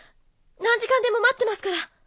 何時間でも待ってますから。